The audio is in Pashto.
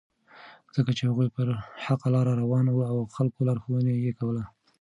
ځکه چې هغوی پر حقه لاره روان وو او د خلکو لارښوونه یې کوله.